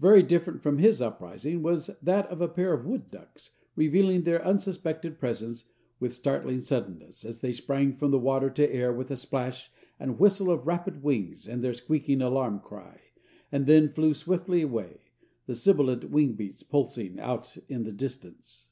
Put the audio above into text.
Very different from his uprising was that of a pair of wood ducks, revealing their unsuspected presence with startling suddenness, as they sprang from water to air with a splash and whistle of rapid wings and their squeaking alarm cry, and then flew swiftly away, the sibilant wing beats pulsing out in the distance.